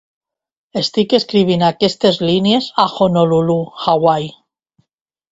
Estic escrivint aquestes línies a Honolulu, Hawaii.